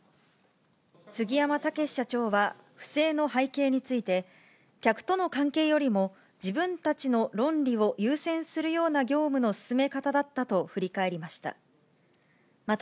杉山武史社長は、不正の背景について、客との関係よりも、自分たちの論理を優先するような業務の進め方だったと振り返りました。